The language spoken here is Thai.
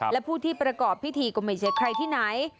และผู้ที่ประกอบพิธีก็ไม่ใช่ใครที่ไหน